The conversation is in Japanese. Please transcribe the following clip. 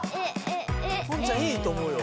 ポンちゃんいいと思うよ。